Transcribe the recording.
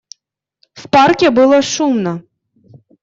В парке было шумно.